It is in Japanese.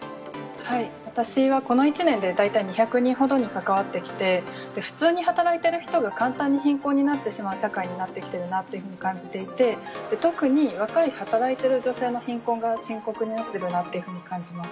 私はこの１年で、大体２００人ほどに関わってきて、普通に働いている人が簡単に貧困になってしまう社会になってきているなというふうに感じていて、特に若い働いている女性の貧困が深刻になっているなというふうに感じます。